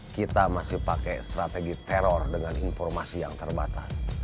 kita masih pakai strategi teror dengan informasi yang terbatas